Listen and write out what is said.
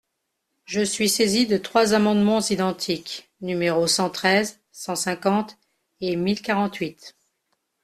Je suis saisi de trois amendements identiques, numéros cent treize, cent cinquante et mille quarante-huit.